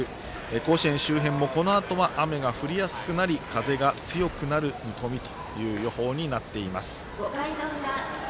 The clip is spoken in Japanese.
甲子園周辺もこのあとは雨が降りやすくなり風が強くなる見込みという予報になっています。